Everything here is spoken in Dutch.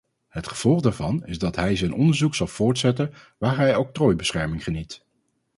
Het gevolg daarvan is dat hij zijn onderzoek zal voortzetten waar hij octrooibescherming geniet.